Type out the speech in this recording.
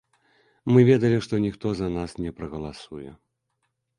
Мы ведалі, што ніхто за нас не прагаласуе.